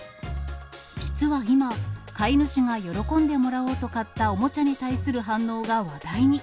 実は今、飼い主が喜んでもらおうと買ったおもちゃに対する反応が話題に。